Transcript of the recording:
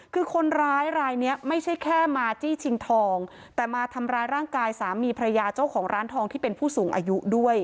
คือคนร้ายรายนี้ไม่ใช่แค่มาจี้ชิงทองแต่มาทำร้ายร่างกายสามีภรรยาเจ้าของร้านทองที่เป็นผู้สูงอายุด้วย